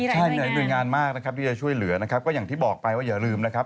ใช่หลายหน่วยงานมากนะครับที่จะช่วยเหลือนะครับก็อย่างที่บอกไปว่าอย่าลืมนะครับ